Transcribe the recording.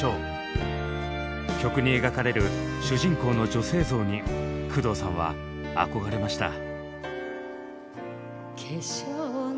曲に描かれる主人公の女性像に工藤さんは憧れました。